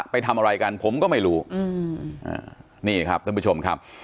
ไปทำอะไรกันผมก็ไม่รู้นี่ครับท่านผู้ชมครับ